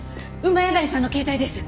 谷さんの携帯です。